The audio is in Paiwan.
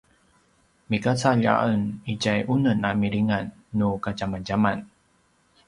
migacalj a en itja unem a milingan nu kadjamadjaman